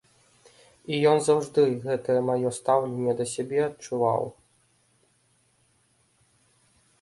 І ён заўжды гэтае маё стаўленне да сябе адчуваў.